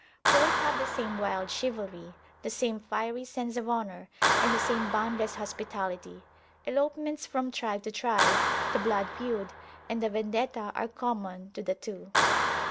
Both have the same wild chivalry, the same fiery sense of honour, and the same boundless hospitality: elopements from tribe to tribe, the blood feud, and the Vendetta are common to the to.